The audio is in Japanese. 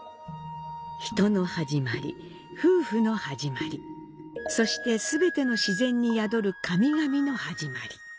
人の始まり、夫婦の始まり、そして全ての自然に宿る神々の始まり。